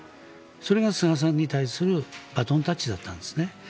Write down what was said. それが菅さんに対するバトンタッチだったんですね。